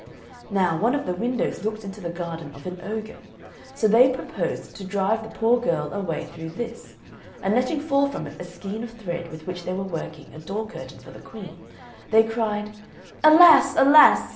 Now, one of the windows looked into the garden of an ogre, so they proposed to drive the poor girl away through this; and letting fall from it a skein of thread with which they were working a door curtain for the queen, they cried, "Alas! alas!